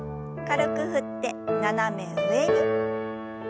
軽く振って斜め上に。